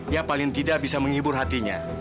ya paling tidak bisa menghibur hatinya